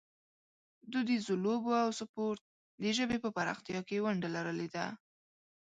دودیزو لوبو او سپورټ د ژبې په پراختیا کې ونډه لرلې ده.